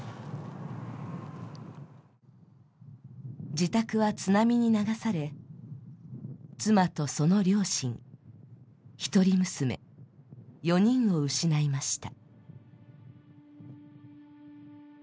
自宅は津波に流され、妻とその両親、一人娘、４人を失いました。